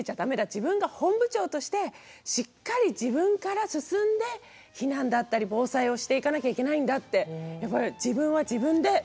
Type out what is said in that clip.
自分が本部長としてしっかり自分から進んで避難だったり防災をしていかなきゃいけないんだって。